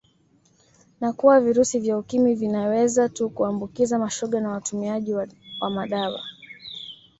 Na kuwa virusi vya Ukimwi vinaweza tu kuambukiza mashoga na watumiaji wa madawa